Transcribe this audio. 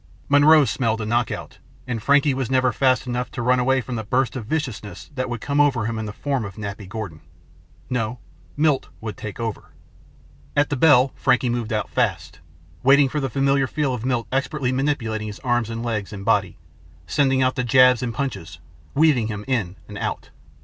Monroe smelled a knockout and Frankie was never fast enough to run away from the burst of viciousness that would come at him in the form of Nappy Gordon. No, Milt would take over. At the bell, Frankie moved out fast, waiting for the familiar feel of Milt expertly manipulating his arms and legs and body; sending out the jabs and punches; weaving him in and out.